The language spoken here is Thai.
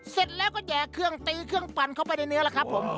เสร็จแล้วก็แยกเครื่องตีเครื่องปั่นเข้าไปในเนื้อแล้วครับผม